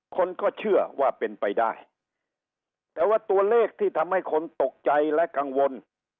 คนก็เชื่อว่าเป็นไปได้แต่ว่าตัวเลขที่ทำให้คนตกใจและกังวล